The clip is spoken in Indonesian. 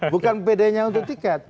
bukan pd nya untuk tiket